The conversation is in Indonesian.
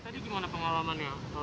ini tadi gimana pengalaman ya